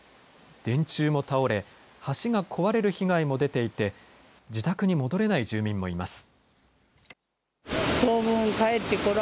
電柱も倒れ、橋が壊れる被害も出ていて自宅に戻れない住民もいます。